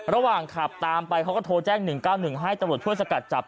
ระหว่างขับตามไปเขาก็โทรแจ้งหนึ่งเก้าหนึ่งให้ตำรวจเพื่อสกัดจับ